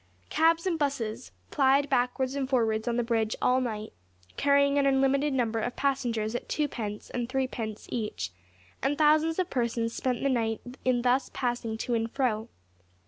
Cabs and 'buses plied backwards and forwards on the bridge all night, carrying an unlimited number of passengers at 2 pence and 3 pence each, and thousands of persons spent the night in thus passing to and fro.